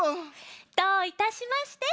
どういたしまして。